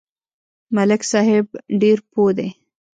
ملک صاحب ډېر پوه دی.